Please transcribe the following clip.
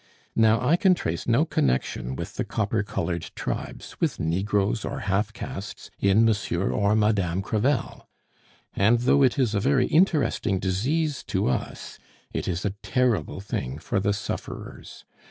Now I can trace no connection with the copper colored tribes, with negroes or half castes, in Monsieur or Madame Crevel. "And though it is a very interesting disease to us, it is a terrible thing for the sufferers.